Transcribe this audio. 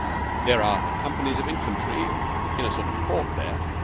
There are her companies of infantry in a sort of port there.